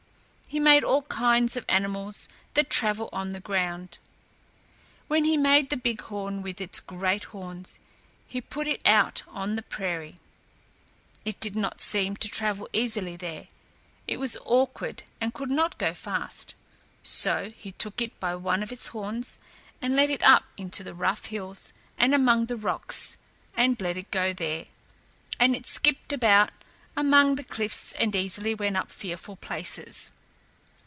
He made all kinds of animals that travel on the ground. When he made the big horn with its great horns, he put it out on the prairie. It did not seem to travel easily there; it was awkward and could not go fast, so he took it by one of its horns and led it up into the rough hills and among the rocks, and let it go there, and it skipped about among the cliffs and easily went up fearful places.